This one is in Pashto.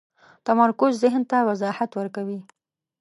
تمرکز ذهن ته وضاحت ورکوي.